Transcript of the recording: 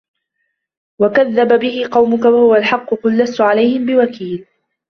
وَكَذَّبَ بِهِ قَوْمُكَ وَهُوَ الْحَقُّ قُلْ لَسْتُ عَلَيْكُمْ بِوَكِيلٍ